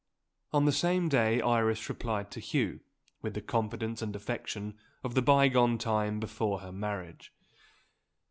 On the same day Iris replied to Hugh, with the confidence and affection of the bygone time before her marriage.